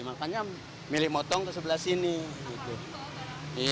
makanya milih motong ke sebelah sini